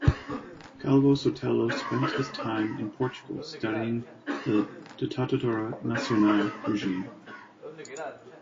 Calvo Sotelo spent his time in Portugal studying the "Ditadura Nacional" regime.